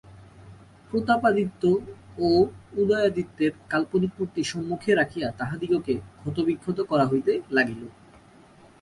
প্রতাপাদিত্য ও উদয়াদিত্যের কাল্পনিক মুর্তি সম্মুখে রাখিয়া তাহাদিগকে ক্ষতবিক্ষত করা হইতে লাগিল।